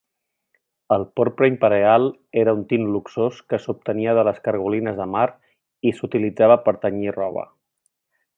El porpra imperial era un tint luxós que s'obtenia de les cargolines de mar i s'utilitzava per tenyir roba.